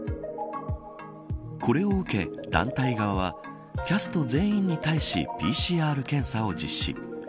これを受け団体側はキャスト全員に対しＰＣＲ検査を実施。